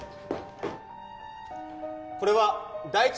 これは大地